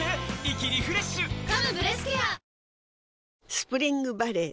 スプリングバレー